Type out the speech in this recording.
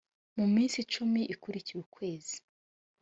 mu minsi icumi ikurikira ukwezi